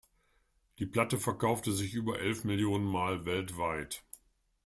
Die Platte verkaufte sich über elf Millionen Mal weltweit.